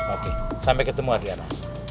oke sampai ketemu adriana